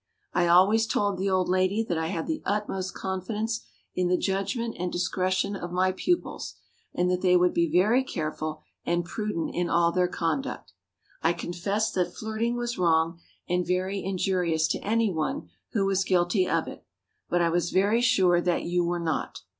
I always told the old lady that I had the utmost confidence in the judgment and discretion of my pupils and that they would be very careful and prudent in all their conduct. I confessed that flirting was wrong and very injurious to any one who was guilty of it, but I was very sure that you were not.